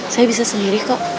saya bisa sendiri kok